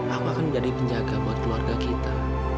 aku akan menjadi penjaga buat keluarga kita